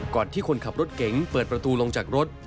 ที่คนขับรถเก๋งเปิดประตูลงจากรถ